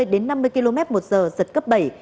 đến bốn mươi đến năm mươi km một giờ giật cấp bảy